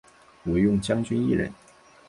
惟用将军一人。